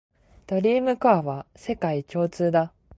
ドリームコアは世界共通だ